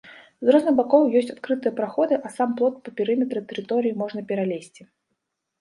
З розных бакоў ёсць адкрытыя праходы, а сам плот па перыметры тэрыторыі можна пералезці.